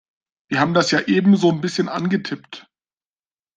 Wir haben das ja eben so'n bisschen angetippt.